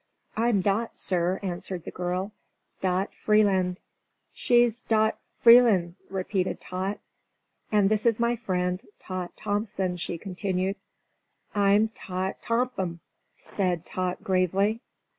"I'm Dot, sir," answered the girl. "Dot Freeland." "She's Dot F'eelun'," repeated Tot. "And this is my friend, Tot Thompson," she continued. "I'm Tot Tompum," said Tot gravely.